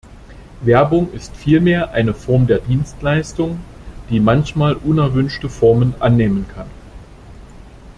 Werbung ist vielmehr eine Form der Dienstleistung, die manchmal unerwünschte Formen annehmen kann.